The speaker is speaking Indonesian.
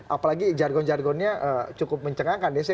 apalagi jargon jargonnya cukup mencengangkan dc